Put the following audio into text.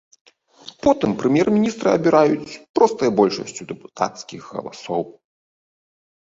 Потым прэм'ер-міністра абіраюць простай большасцю дэпутацкіх галасоў.